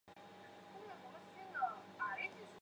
本循环于罗马尼亚克拉约瓦举行。